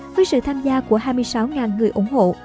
với sự tham gia của hai mươi sáu người ủng hộ